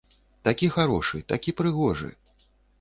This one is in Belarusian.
Такі харошы, такі прыгожы.